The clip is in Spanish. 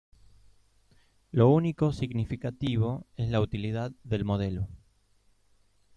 Lo único significativo es la utilidad del modelo.